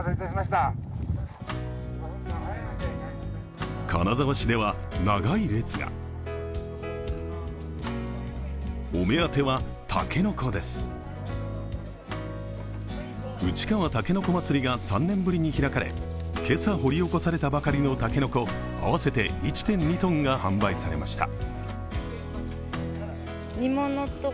たけのこまつりが３年ぶりに開かれ今朝、掘り起こされたばかりの竹の子合わせて１．２ｔが販売されました。